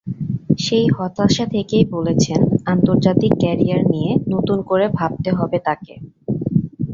সেই হতাশা থেকেই বলেছেন, আন্তর্জাতিক ক্যারিয়ার নিয়ে নতুন করে ভাবতে হবে তাঁকে।